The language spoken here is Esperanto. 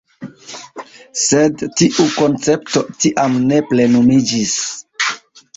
Sed tiu koncepto tiam ne plenumiĝis.